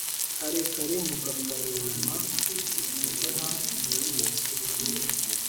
Karekare Mukakarema-Umuheha mu buki.